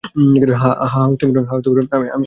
হ্যাঁঁ আমি করে দিচ্ছি, বাই।